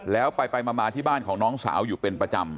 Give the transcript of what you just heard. แล้วไปมาที่บ้านของน้องสาวอยู่เป็นประจำ